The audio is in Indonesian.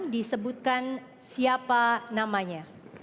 disebutkan siapa namanya